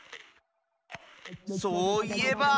そういえば。